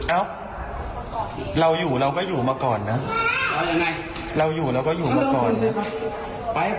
เอ้าเราอยู่เราก็อยู่มาก่อนนะเอายังไงเราอยู่เราก็อยู่มาก่อนเลยป่ะ